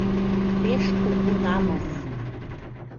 Пеш кугу намыс!